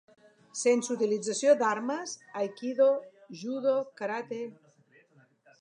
Sense utilització d'armes: aikido, judo, karate.